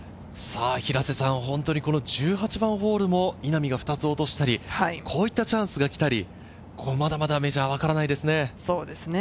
本当に１８番ホールも稲見が２つ落としたり、こういったチャンスが来たり、まだまだメジャーはわからないですね。